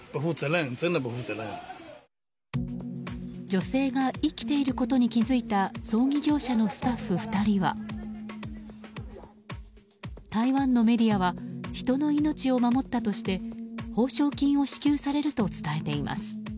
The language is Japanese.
女性が生きていることに気づいた葬儀業者のスタッフ２人は台湾のメディアは人の命を守ったとして報奨金を支給されると伝えています。